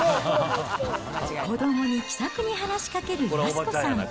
子どもに気さくに話しかける安子さん。